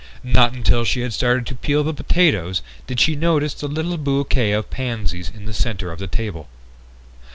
Not until she had started to peel the potatoes did she notice the little bouquet of pansies in the center of the table.